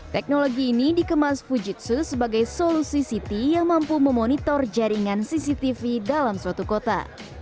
teknologi ini dikemas fujitsu sebagai solusi city yang mampu memonitor jaringan cctv dalam suatu kota